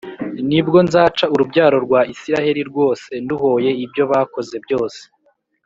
, ni bwo nzaca urubyaro rwa Isiraheli rwose nduhoye ibyo bakoze byose